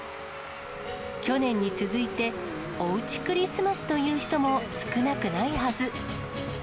去年に続いて、おうちクリスマスという人も少なくないはず。